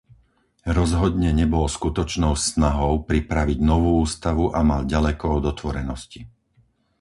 Rozhodne nebol skutočnou snahou pripraviť novú ústavu a mal ďaleko od otvorenosti.